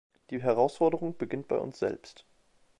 Die Herausforderung beginnt bei uns selbst.